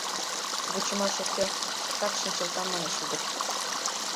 — Вучымаш уке, так шинчылтам, — манеш ӱдыр.